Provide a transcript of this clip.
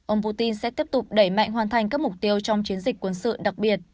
ông putin sẽ tiếp tục đẩy mạnh hoàn thành các mục tiêu trong chiến dịch quân sự đặc biệt